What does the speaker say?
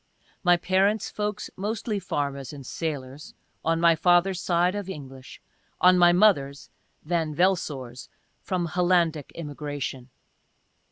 My parents' folks mostly farmers and sailors — on my father's side, of English — on my mother's, (Van Velsor's,) from Hollandic immigration.